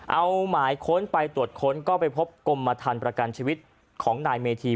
เอาหมายค้นไปตรวจค้นก็ไปพบกรมทันประกันชีวิตของนายเมธี